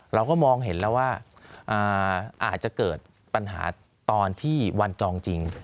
เราก็มองเห็นแล้วว่าอาจจะเกิดปัญหาตอนที่วันจองจริง